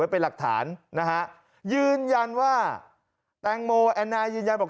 เป็นหลักฐานนะฮะยืนยันว่าแตงโมแอนนายืนยันบอก